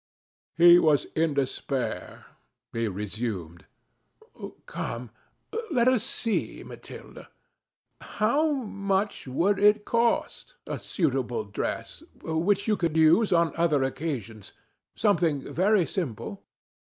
He was in despair. He resumed: "Come, let us see, Mathilde. How much would it cost, a suitable dress, which you could use on other occasions, something very simple?"